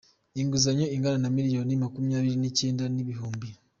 inguzanyo ingana na miliyoni makumyabiri n‟icyenda n‟ibihumbi